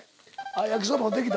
焼きそばもできた？